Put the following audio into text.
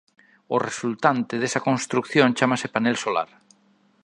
O resultante desa construción chámase panel solar.